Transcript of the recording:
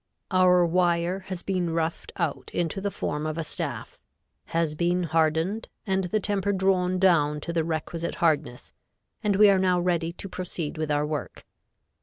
Our wire has been roughed out into the form of a staff, has been hardened and the temper drawn down to the requisite hardness and we are now ready to proceed with our work.